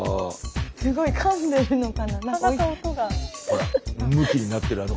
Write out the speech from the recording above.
すごいかんでるのかな？